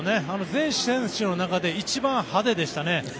全選手の中で一番派手でしたね。